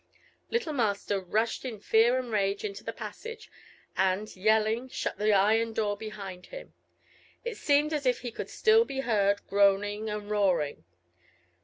Little Master rushed in fear and rage into the passage, and, yelling, shut the iron door behind him. It seemed as if he could still be heard groaning and roaring.